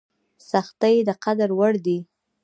سختۍ د قدر وړ دي.